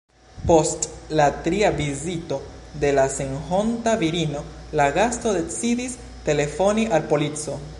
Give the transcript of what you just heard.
Post la tria vizito de la senhonta virino la gasto decidis telefoni al polico.